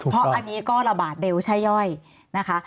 เพราะอันนี้ก็ระบาดเร็วช่าย่อยนะคะ